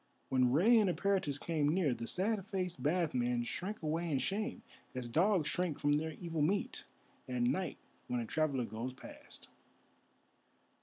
When Rei and Eperitus came near, the sad faced bath men shrank away in shame, as dogs shrink from their evil meat at night when a traveller goes past.